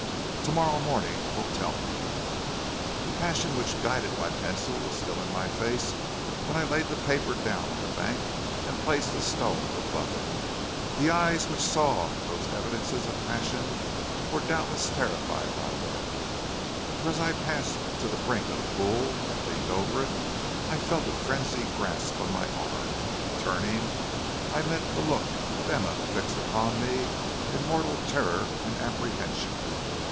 To morrow morning will tell me. "The passion which guided my pencil was still in my face when I laid the paper down on the bank and placed a stone above it. The eyes which saw those evidences of passion were doubtless terrified by them, for as I passed to the brink of the pool and leaned over it I felt a frenzied grasp on my arm, and turning, I met the look of Emma fixed upon me in mortal terror and apprehension.